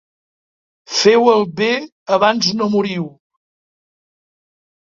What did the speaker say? Feu el bé abans no moriu.